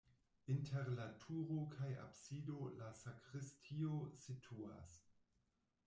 Inter la turo kaj absido la sakristio situas.